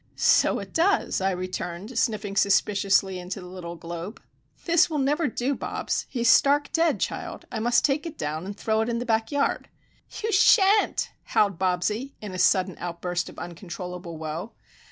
"So it does!" I returned, sniffing suspiciously into the little globe. "This will never do, Bobs. He's stark dead, child! I must take it down and throw it into the back yard." "You shan't!" howled Bobsie, in a sudden outburst of uncontrollable woe.